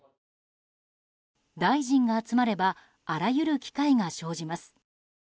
大臣が集まればあらゆる機会が生じます。